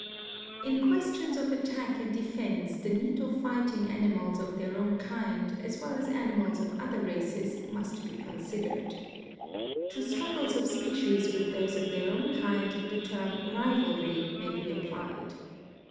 In questions of attack and defense the need of fighting animals of their own kind, as well as animals of other races, must be considered. To struggles of species with those of their own kind the term rivalry may be applied.